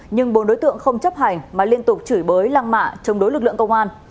nhưng bốn đối tượng không chấp hành mà liên tục chửi bới lăng mạ chống đối lực lượng công an